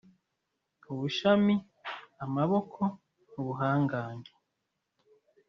ubushami: amaboko (ubuhangange)